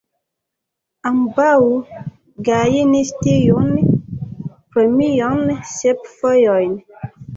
Ambaŭ gajnis tiun premion sep fojojn.